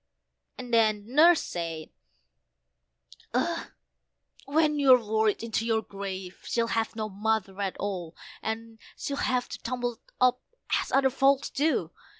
and then Nurse said, "Ugh! When you're worried into your grave, she'll have no mother at all, and'll have to tumble up as other folks do.